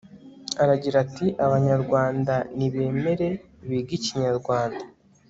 aragira ati abanyarwanda nibemere bige ikinyarwanda